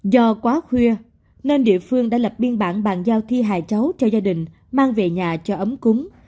do quá khuya nên địa phương đã lập biên bản bàn giao thi hài cháu cho gia đình mang về nhà cho ấm cúng